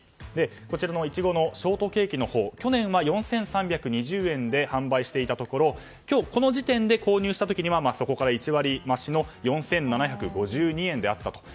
こちらのイチゴのショートケーキのほう去年は４３２０円で販売していたところ今日、この時点で購入した時にはそこから１割増しの４７５２円であったと。